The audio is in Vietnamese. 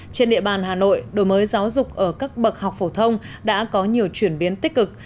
trên địa bàn hà nội đổi mới giáo dục ở các bậc học phổ thông đã có nhiều chuyển biến tích cực